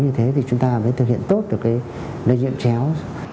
chỉ có như thế thì chúng ta mới thực hiện tốt được cái lây nhiễm chéo